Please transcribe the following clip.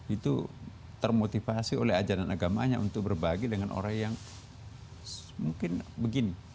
itu termotivasi oleh ajaran agamanya untuk berbagi dengan orang yang mungkin begini